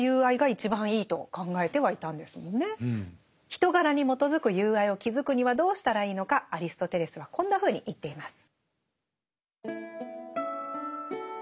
人柄に基づく友愛を築くにはどうしたらいいのかアリストテレスはこんなふうに言っています。